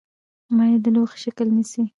مایع د لوښي شکل نیسي.